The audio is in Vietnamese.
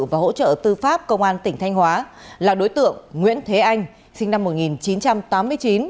và hỗ trợ tư pháp công an tỉnh thanh hóa là đối tượng nguyễn thế anh sinh năm một nghìn chín trăm tám mươi chín